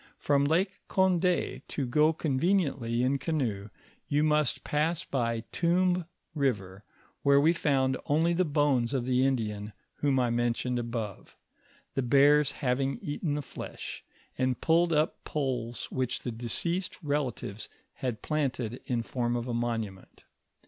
From Lake Cond^, to go conveni ently in canoe, you must pass by Tomb river, where we found only the bones of the Indian whom I mentioned above, the bears having eaten the flesh, and pulled up poles which the deceased's relatives had planted in form of a monument.